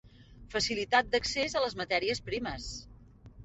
Facilitat d'accés a les matèries primes.